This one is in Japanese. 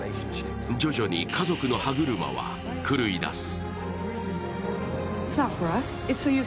徐々に家族の歯車は狂いだす。